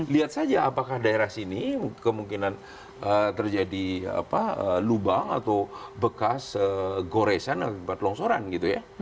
lihat saja apakah daerah sini kemungkinan terjadi lubang atau bekas goresan akibat longsoran gitu ya